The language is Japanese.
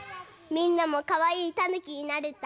みんなもかわいいたぬきになれた？